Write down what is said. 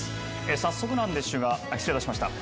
早速なんでしゅが失礼しました。